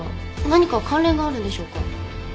何か関連があるんでしょうか？